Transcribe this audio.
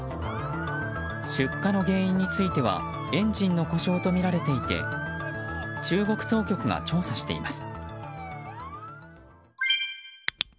出火の原因についてはエンジンの故障とみられていて中国当局が調査しています。